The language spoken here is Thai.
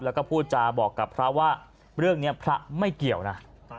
แล้วก็พูดจาบอกกับพระว่าเรื่องนี้พระไม่เกี่ยวนะ